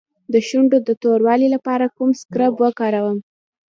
د شونډو د توروالي لپاره کوم اسکراب وکاروم؟